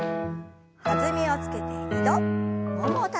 弾みをつけて２度ももをたたいて。